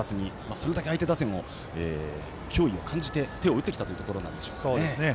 それだけ相手打線に脅威を感じて手を打ってきたというところでしょうか。